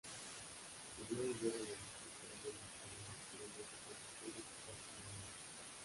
Debió volver a la Distrital de Magdalena, pero no se presentó y desapareció nuevamente.